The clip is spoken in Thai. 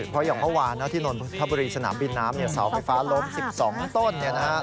เพราะอย่างว่าน้าที่นทบริสนามบินน้ำเนี่ยเสาไฟฟ้าล้ม๑๒ต้นเนี่ยนะครับ